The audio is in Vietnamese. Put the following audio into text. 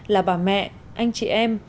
là bà mẹ anh chị em